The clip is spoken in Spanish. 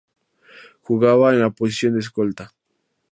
Jugaba en la posición de escolta.